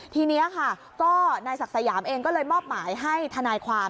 ทีนี้ค่ะก็นายศักดิ์สยามเองก็เลยมอบหมายให้ทนายความ